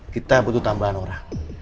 kita butuh tambahan orang